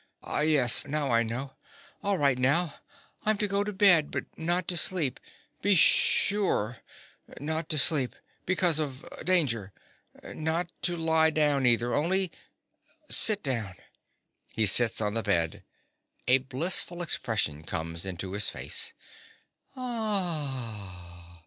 _) Ah, yes: now I know. All right now. I'm to go to bed, but not to sleep—be sure not to sleep—because of danger. Not to lie down, either, only sit down. (_He sits on the bed. A blissful expression comes into his face.